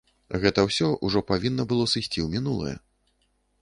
Гэта ўсё ўжо павінна было сысці ў мінулае.